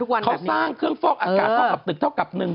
เขาสร้างเครื่องฟอกอากาศเท่ากับตึกเท่ากับหนึ่ง